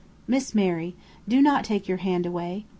Miss Mary! do not take your hand away!